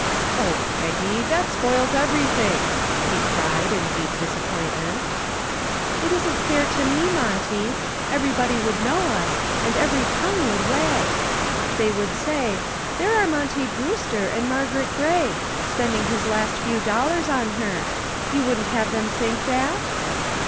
"Oh, Peggy! That spoils everything," he cried, in deep disappointment. "It isn't fair to me, Monty. Everybody would know us, and every tongue would wag. They would say, 'There are Monty Brewster and Margaret Gray. Spending his last few dollars on her.' You wouldn't have them think that?"